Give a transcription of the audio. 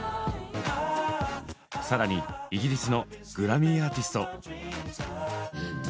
さらにイギリスのグラミーアーティスト。